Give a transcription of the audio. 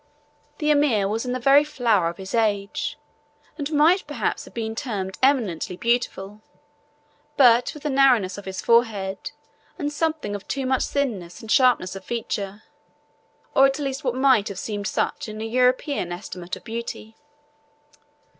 The Emir was in the very flower of his age, and might perhaps have been termed eminently beautiful, but for the narrowness of his forehead and something of too much thinness and sharpness of feature, or at least what might have seemed such in a European estimate of beauty.